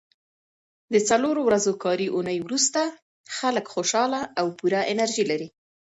د څلورو ورځو کاري اونۍ وروسته خلک خوشاله او پوره انرژي لري.